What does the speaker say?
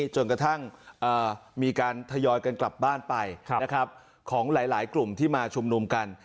จนกระทั่งมีการทยอยกันกลับบ้านไปของหลายกลุ่มที่มาชุมนุมกัน